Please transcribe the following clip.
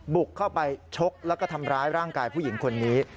บุกเข้าไปชกแล้วก็ทำร้ายร่างกายผู้หญิงคนนี้